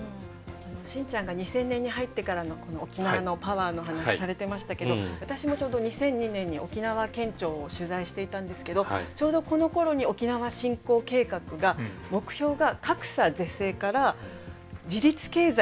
信ちゃんが２０００年に入ってからのこの沖縄のパワーの話されてましたけど私もちょうど２００２年に沖縄県庁を取材していたんですけどちょうどこのころに沖縄振興計画が目標が「格差是正」から「自立経済」っていうふうに変わったんですね。